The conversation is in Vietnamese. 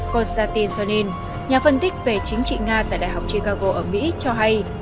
còn satin sonin nhà phân tích về chính trị nga tại đại học chicago ở mỹ cho hay